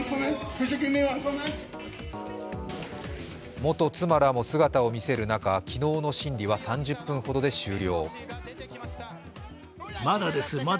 元妻らも姿を見せる中、昨日の審理は３０分ほどで終了。